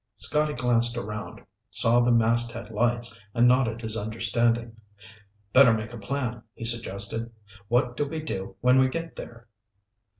Scotty glanced around, saw the masthead lights, and nodded his understanding. "Better make a plan," he suggested. "What do we do when we get there?"